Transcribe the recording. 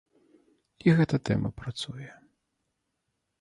І гэта тэма працуе.